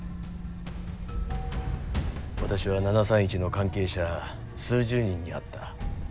私は７３１の関係者数十人に会った。